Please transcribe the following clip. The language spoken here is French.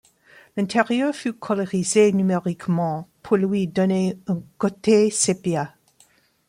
L'intérieur fut colorisé numériquement pour lui donner un côté sépia.